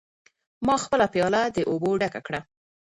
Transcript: ما خپله پیاله د اوبو ډکه کړه.